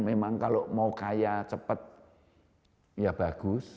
memang kalau mau kaya cepat ya bagus